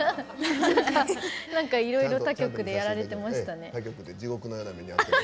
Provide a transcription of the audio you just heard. いろいろ他局でやられてましたね。